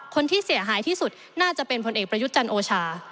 คนที่เสียหายที่สุดน่าจะเป็นผลเอกประยุทธ์จันทร์โอชา